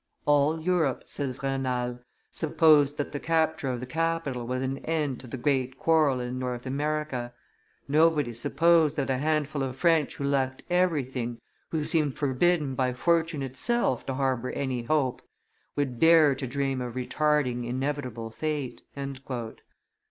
"All Europe," says Raynal, "supposed that the capture of the capital was an end to the great quarrel in North America. Nobody supposed that a handful of French who lacked everything, who seemed forbidden by fortune itself to harbor any hope, would dare to dream of retarding inevitable fate."